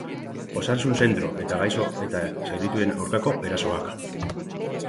Osasun-zentro eta gaixo eta zaurituen aurkako erasoak.